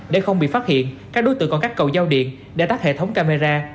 để không bị phát hiện các đối tượng còn cắt cầu giao điện để tắt hệ thống camera